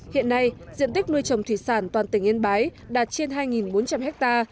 hiện nay diện tích nuôi trồng thủy sản toàn tỉnh yên bái đạt trên hai bốn trăm linh ha